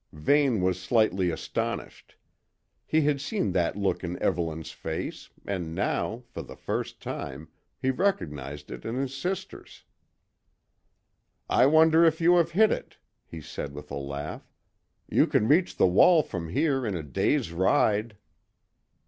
Vane was slightly astonished. He had seen that look in Evelyn's face, and now, for the first time, he recognised it in his sister's. "I wonder if you have hit it," he said with a laugh. "You can reach the Wall from here in a day's ride."